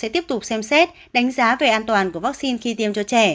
sẽ tiếp tục xem xét đánh giá về an toàn của vaccine khi tiêm cho trẻ